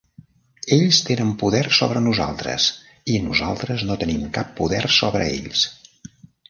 Ells tenen poder sobre nosaltres i nosaltres no tenim cap poder sobre ells.